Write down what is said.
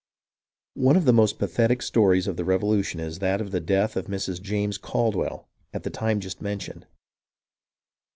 One of the most pathetic stories of the Revolution is that of the death of Mrs. James Caldwell at the time just mentioned.